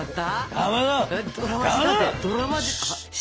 かまどシ！